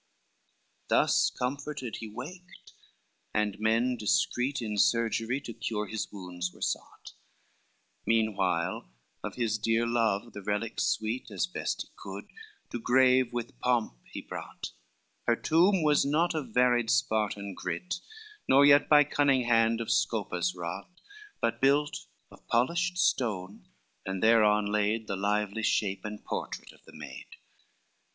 XCIV Thus comforted he waked, and men discreet In surgery to cure his wounds were sought, Meanwhile of his dear love the relics sweet, As best he could, to grave with pomp he brought: Her tomb was not of varied Spartan greet, Nor yet by cunning hand of Scopas wrought, But built of polished stone, and thereon laid The lively shape and portrait of the maid.